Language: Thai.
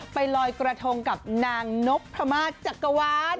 ไปลอยกระทงกับนางนพพระมาศจักรวาล